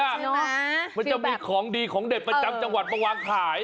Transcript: มันจะมีของดีของเด็ดประจำจังหวัดมาวางขาย